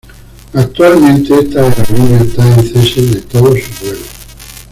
Actualmente esta aerolínea está en cese de todos sus vuelos.